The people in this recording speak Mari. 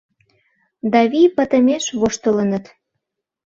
Да вий пытымеш воштылыныт.